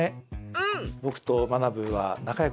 うん！